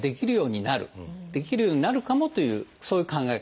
できるようになるかも」というそういう考え方。